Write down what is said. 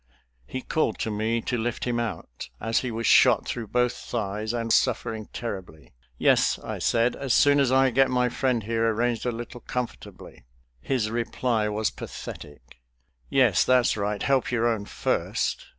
He called to me to lift him out, as he was shot through both thighs, and suffering terribly. "Yes," I said, "as soon as I get my friend here arranged a little comfortably." His reply was pathetic. "Yes, that's right; help your own first."